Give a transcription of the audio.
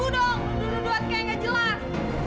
lu duduk duduk aja kayak gak jelas